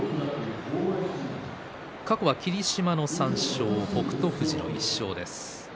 過去は霧島の３勝北勝富士の１勝です。